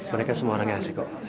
mereka semua orangnya asik kok